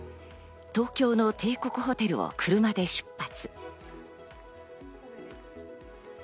東京の帝国ホテルを車で出発。